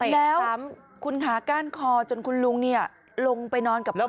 แล้วคุณขาก้านคอจนคุณลุงลงไปนอนกับรถ